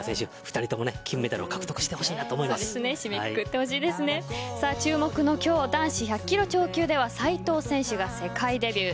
２人とも金メダルを獲得してほしい注目の男子１００キロ超級では斉藤選手が世界デビュー。